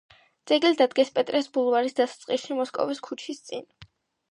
ძეგლი დადგეს პეტრეს ბულვარის დასაწყისში, მოსკოვის ქუჩის წინ.